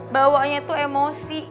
bauannya tuh emosi